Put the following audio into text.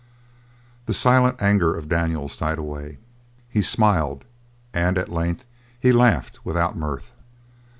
The silent anger of Daniels died away. He smiled, and at length he laughed without mirth.